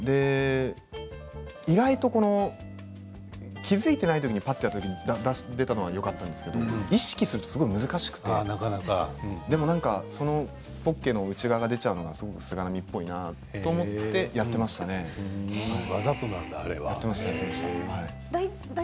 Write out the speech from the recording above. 意外と気付いていないときにやったときに出たのはよかったんですけれど意識するとすごく難しくてポッケの内側が出てしまうのが菅波っぽいなと思ってわざとだったんだ。